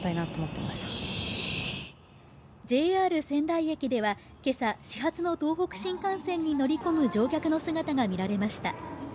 仙台駅では今朝、始発の東北新幹線に乗り込む乗客の姿が見られました。